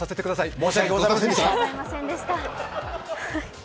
申し訳ございませんでした。